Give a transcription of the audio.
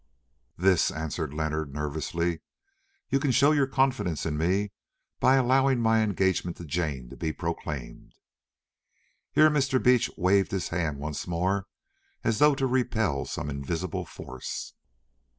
"This," answered Leonard, nervously; "you can show your confidence in me by allowing my engagement to Jane to be proclaimed." Here Mr. Beach waved his hand once more as though to repel some invisible force.